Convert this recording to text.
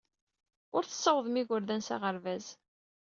Ur tessawḍem igerdan s aɣerbaz.